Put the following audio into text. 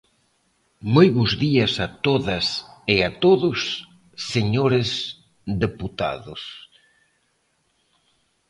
Moi bos días a todas e a todos, señores deputados.